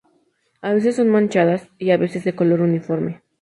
A veces son manchadas y a veces de color uniforme.